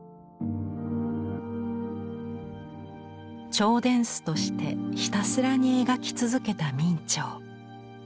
兆殿司としてひたすらに描き続けた明兆。